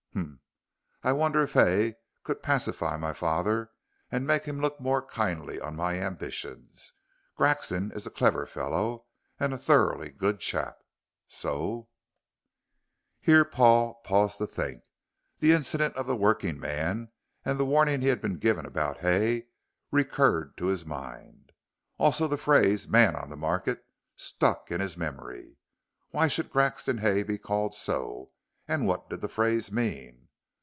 Humph! I wonder if Hay could pacify my father and make him look more kindly on my ambitions. Grexon is a clever fellow, a thoroughly good chap, so " Here Paul paused to think. The incident of the working man and the warning he had given about Hay recurred to his mind. Also the phrase "Man on the Market" stuck in his memory. Why should Grexon Hay be called so, and what did the phrase mean?